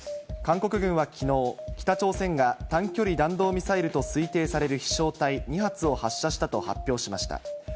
韓国軍はきのう、北朝鮮が短距離弾道ミサイルと推定される飛しょう体２発を発射したと発表しました。